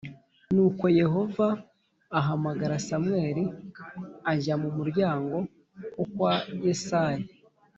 Nuko Yehova ahamagara Samweli ajya mu muryango wo kwa Yesayi